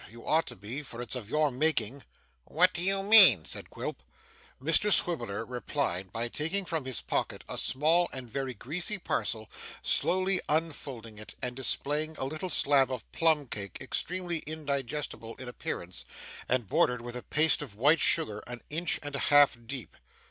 You ought to be, for it's of your making.' 'What do you mean?' said Quilp. Mr Swiveller replied by taking from his pocket a small and very greasy parcel, slowly unfolding it, and displaying a little slab of plum cake extremely indigestible in appearance, and bordered with a paste of white sugar an inch and a half deep.